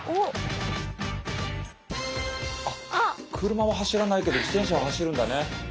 車は走らないけど自転車は走るんだね。